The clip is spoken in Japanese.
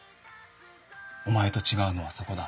お前と違うのはそこだ。